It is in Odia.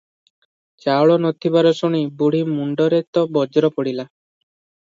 ଚାଉଳ ନ ଥିବାର ଶୁଣି ବୁଢ଼ୀ ମୁଣ୍ଡରେ ତ ବଜ୍ର ପଡ଼ିଲା ।